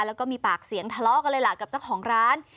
แล้วก็มีปากเสียงทะเลาะกันเลยล่ะกับเจ้าของร้าน